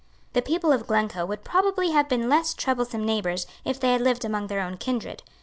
The people of Glencoe would probably have been less troublesome neighbours if they had lived among their own kindred.